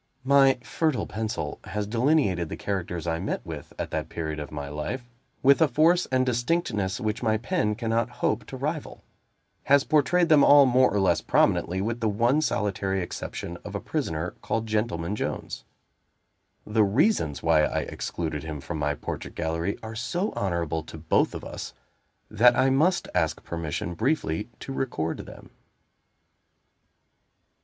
My fertile pencil has delineated the characters I met with, at that period of my life, with a force and distinctness which my pen cannot hope to rival has portrayed them all more or less prominently, with the one solitary exception of a prisoner called Gentleman Jones. The reasons why I excluded him from my portrait gallery are so honorable to both of us, that I must ask permission briefly to record them.